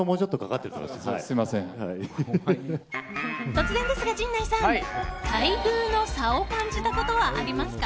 突然ですが、陣内さん待遇の差を感じたことはありますか？